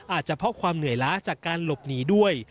อาจจะเพราะความเหนื่อยล้าจากการหลบหนีด้วย